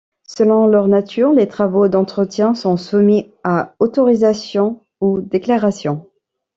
Selon leur nature, les travaux d'entretien sont soumis à autorisation ou déclaration.